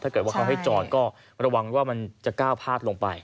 ถ้าเกิดว่าเขาให้จอดก็ระวังว่ามันจะก้าวพาดลงไป